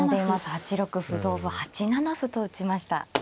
８六歩同歩８七歩と打ちました。